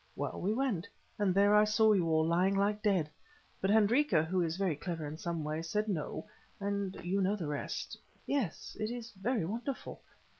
Well, we went; and there I saw you all lying like dead; but Hendrika, who is very clever in some ways, said no—and you know the rest. Yes, it is very wonderful."